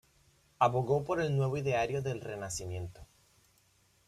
Abogó por el nuevo ideario del Renacimiento.